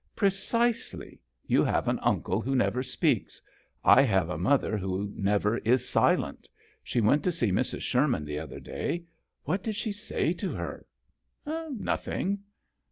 "Precisely. You have an uncle who never speaks; I have a mother who never is silent. She went to see Mrs. Sherman the other day. What did she say to her?" " Nothing."